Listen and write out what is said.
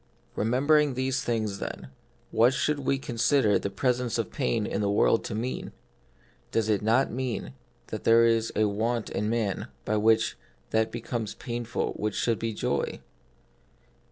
Remembering these things, then, what should we consider the presence of pain in the world to mean ? Does it not mean that there is a want in man by which that becomes painful which should be joy